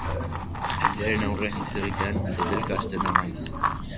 Jendearen aurrean hitz egitean totelka hasten da maiz.